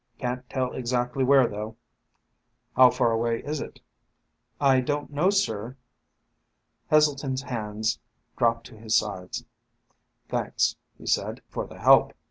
Can't tell exactly where, though." "How far away is it?" "I don't know, sir." Heselton's hands dropped to his sides. "Thanks," he said, "for the help."